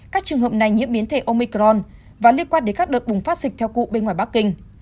các trường hợp này nhiễm biến thể omicron và liên quan đến các đợt bùng phát dịch theo cụ bên ngoài bắc kinh